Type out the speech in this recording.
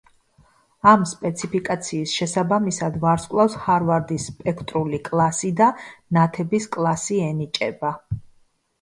ამ სპეციფიკაციის შესაბამისად ვარსკვლავს ჰარვარდის სპექტრული კლასი და ნათების კლასი ენიჭება.